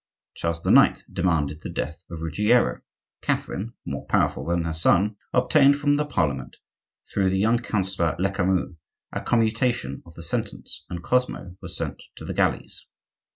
Charles IX. demanded the death of Ruggiero; Catherine, more powerful than her son, obtained from the Parliament, through the young counsellor, Lecamus, a commutation of the sentence, and Cosmo was sent to the galleys.